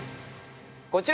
こちら！